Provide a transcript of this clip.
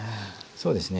そうですね